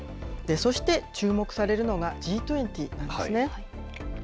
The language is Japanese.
そして、注目されるのがＧ２０なんですね。